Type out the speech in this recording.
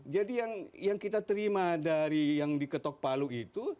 jadi yang kita terima dari yang diketok palu itu